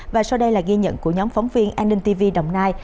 và sau đây là ghi nhận của nhóm phóng viên an ninh tv đồng nai